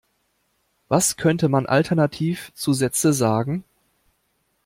Was könnte man Alternativ zu Sätze sagen?